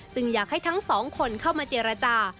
อยากให้ทั้งสองคนเข้ามาเจรจา